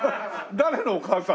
誰のお母さん？